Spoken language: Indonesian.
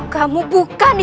kamu bukan ibu ndaku